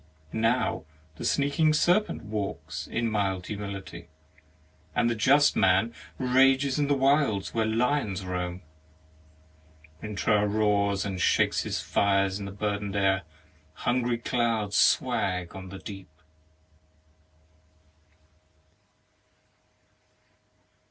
Now the sneaking serpent walks In mild humility ; And the just man rages in the wilds Where Uons roam. Rintrah roars and shakes his fires in the burdened air, Hungry clouds swag on the deep.